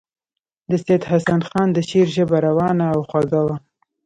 د سید حسن خان د شعر ژبه روانه او خوږه وه.